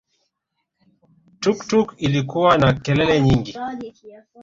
Tuktuk ilikuwa na kelele nyingi